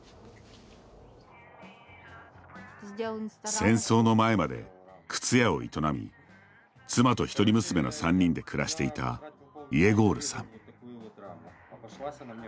戦争の前まで靴屋を営み妻と一人娘の３人で暮らしていたイェゴールさん。